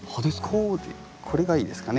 こうこれがいいですかね。